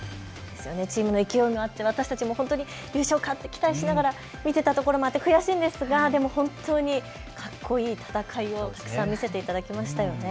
チームの勢いがあって私たちも本当に優勝かって期待しながら見ていたところもあって悔しいんですが、でも本当にかっこいい戦いをたくさん見せていただきましたね。